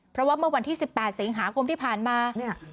เพราะว่าเมื่อวันที่๑๘เสียงหาคมที่ผ่านมา